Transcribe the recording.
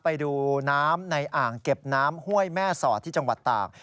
ไปดูน้ำในอ่างเก็บน้ำห้วยแม่สอดที่จังหวัดตาก